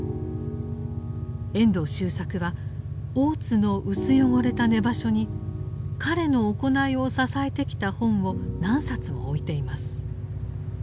遠藤周作は大津の薄汚れた寝場所に彼の行いを支えてきた本を何冊も置いています。